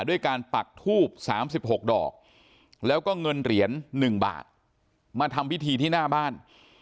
ด้วยการปักทูบ๓๖ดอกแล้วก็เงินเหรียญ๑บาทมาทำพิธีที่หน้าบ้าน